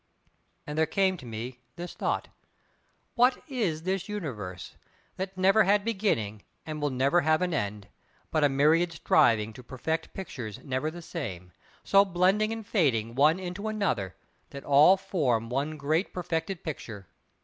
And there came to me this thought: What is this Universe—that never had beginning and will never have an end—but a myriad striving to perfect pictures never the same, so blending and fading one into another, that all form one great perfected picture?